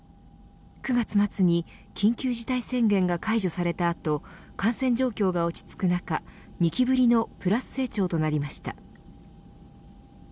９月末に緊急事態宣言が解除されたあと感染状況が落ち着く中２期ぶりのプラス成長となりました。